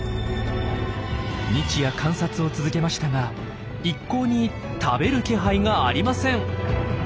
日夜観察を続けましたが一向に食べる気配がありません。